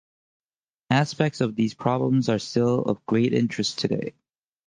Aspects of these problems are still of great interest today.